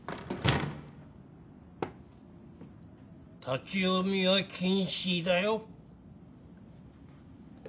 立ち読みは禁止だよ。